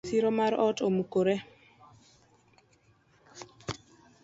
Siro mar ot omukore.